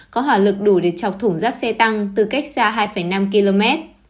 có hỏa lực đủ để chọc thủng giáp xe tăng từ cách xa hai năm km